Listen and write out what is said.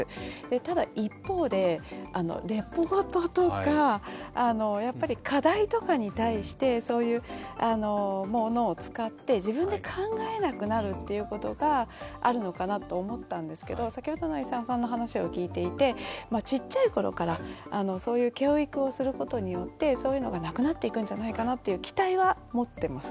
ただ、一方でレポートとか課題とかに対してそういうものを使って自分で考えなくなるということがあるのかなと思ったんですけど、先ほどの伊沢さんの話を聞いていて、ちっちゃいころから、そういう教育をすることによってそういうのがなくなっていくんじゃないかなという期待は持っています。